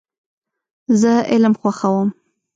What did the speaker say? زه علم خوښوم .